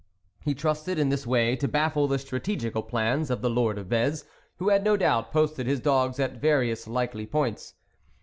He trusted in this way to baffle the strategical plans of the Lord of Vez, who had, no doubt, posted his dogs at various likely points.